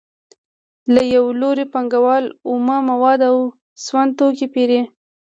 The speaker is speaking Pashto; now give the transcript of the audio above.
له یو لوري پانګوال اومه مواد او سون توکي پېري